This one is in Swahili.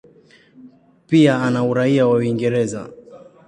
Pia ana uraia wa Uingereza.